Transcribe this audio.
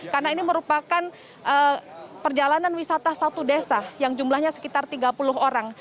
karena ini merupakan perjalanan wisata satu desa yang jumlahnya sekitar tiga puluh orang